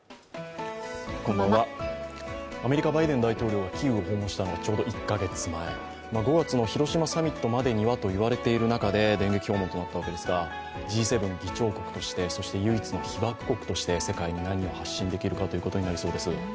アメリカ・バイデン大統領がキーウを訪問したのがちょうど１か月前、５月の広島サミットまでにはと言われている中で電撃訪問となったわけですが、Ｇ７議長国として、唯一の被爆国として世界に何を発信できるかということになりそうです。